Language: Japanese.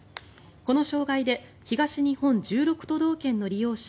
この障害で東日本１６都道県の利用者